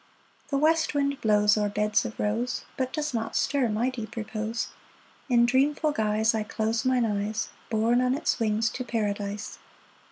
The west wind blows O'er beds of rose, But does not stir my deep repose. In dreamful guise 1 close mine eyes, Borne on its wings to Paradise.